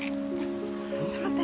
ちょっと待って。